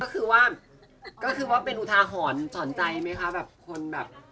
ก็คือว่าเป็นอุทาหอนสอนใจไหมคะแบบคนแบบ